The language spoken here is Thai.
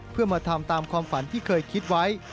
เพื่อมาทำตามความฝันที่เคยคิดไว้